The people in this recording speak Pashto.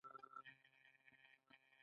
دلته ځانګړي دوکتورین ته اړتیا نه لیدل کیږي.